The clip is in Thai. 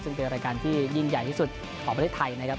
ซึ่งเป็นรายการที่ยิ่งใหญ่ที่สุดของประเทศไทยนะครับ